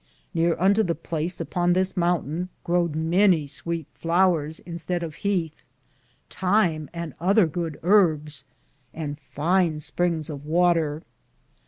Near unto the place upon this mountaine growed many sweete floweres, in stead of heathe, time, and other good earbes, and fine springes of watere.